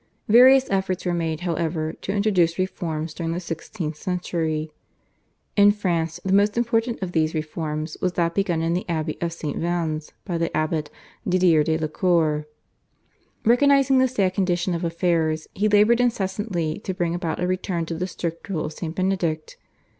Various efforts were made, however, to introduce reforms during the sixteenth century. In France the most important of these reforms was that begun in the abbey of St. Vannes by the abbot, Didier de la Cour. Recognising the sad condition of affairs he laboured incessantly to bring about a return to the strict rule of St. Benedict.